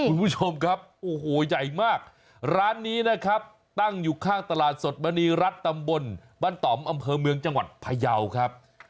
คุณผู้ชมครับโอ้โหใหญ่มากร้านนี้นะครับตั้งอยู่ข้างตลาดสดมณีรัฐตำบลบ้านต่อมอำเภอเมืองจังหวัดพยาวครับ